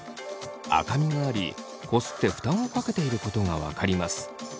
赤みがありこすって負担をかけていることが分かります。